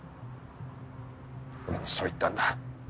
俺にそう言ったんだ。